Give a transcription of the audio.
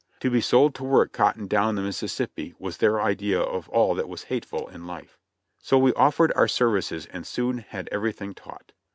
To be sold to work cotton down the Mississippi was their idea of all that was hateful in life. So we offered our services and soon had everything taut.